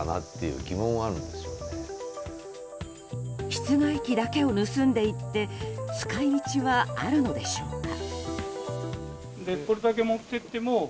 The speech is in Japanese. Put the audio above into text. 室外機だけを盗んでいって使い道はあるのでしょうか。